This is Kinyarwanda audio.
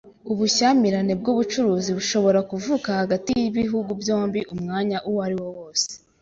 Ubushyamirane bw’ubucuruzi bushobora kuvuka hagati y’ibihugu byombi umwanya uwariwo wose.